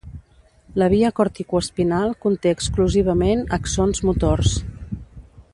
La via corticoespinal conté exclusivament axons motors.